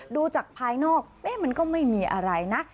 ดูจากภายนอกมันก็ไม่มีอะไรนะ